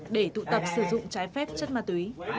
để tụ tập sử dụng trái phép chất ma túy